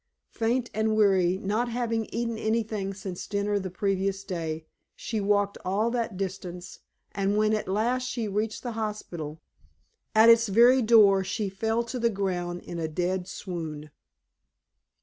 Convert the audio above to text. Faint and weary, not having eaten anything since dinner the previous day, she walked all that distance, and when at last she reached the hospital, at its very door she fell to the ground in a dead swoon.